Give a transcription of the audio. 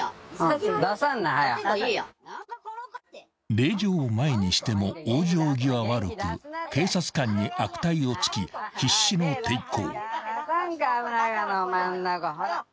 ［令状を前にしても往生際悪く警察官に悪態をつき必死の抵抗］